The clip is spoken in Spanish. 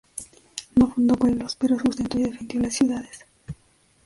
No fundó pueblos, pero sustentó y defendió las ciudades.